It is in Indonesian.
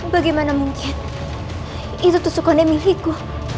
bagaimana mungkin itu tusuk konde milikku